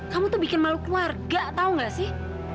kamu tuh bikin malu keluarga tahu nggak sih